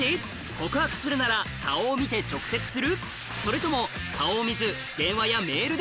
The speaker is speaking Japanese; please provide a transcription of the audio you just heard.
告白するなら顔を見て直接する？